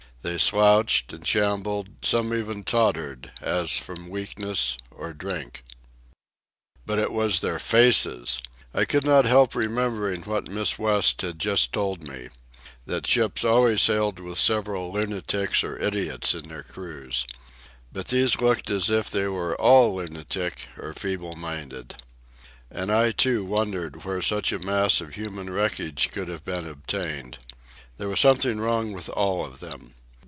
They slouched and shambled, some even tottered, as from weakness or drink. But it was their faces. I could not help remembering what Miss West had just told me—that ships always sailed with several lunatics or idiots in their crews. But these looked as if they were all lunatic or feeble minded. And I, too, wondered where such a mass of human wreckage could have been obtained. There was something wrong with all of them.